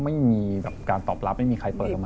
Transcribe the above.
ไม่มีการตอบรับไม่มีใครเปิดทำไม